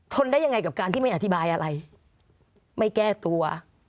ได้ยังไงกับการที่ไม่อธิบายอะไรไม่แก้ตัว